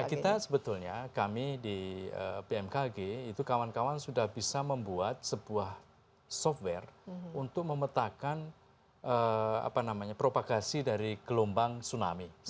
bagi kita sebetulnya kami di bmkg itu kawan kawan sudah bisa membuat sebuah software untuk memetakan propagasi dari gelombang tsunami